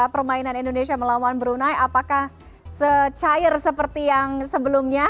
permainan indonesia melawan brunei apakah secair seperti yang sebelumnya